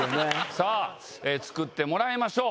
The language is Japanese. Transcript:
さぁ作ってもらいましょう。